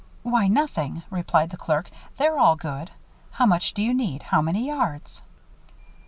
"Why, nothing," replied the clerk. "They're all good. How much do you need? How many yards?"